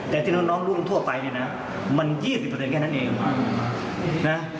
แต่ที่น้องน้องลูกทั่วไปเนี้ยนะมันยี่สิบเปอร์เซ็นต์แค่นั้นเองนะ